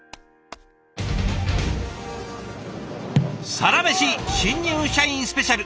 「サラメシ新入社員スペシャル」。